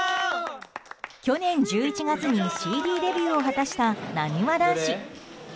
去年１１月にＣＤデビューを果たしたなにわ男子。